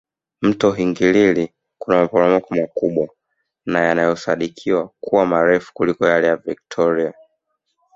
Mto Hingilili kuna maporomoko makubwa na yanayosadikiwa kuwa marefu kuliko yale ya Victoria